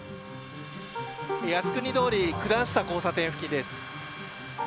靖国通り九段下交差点付近です。